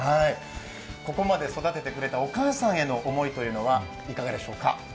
ここまで育ててくれたお母さんへの思いはいかがでしょうか？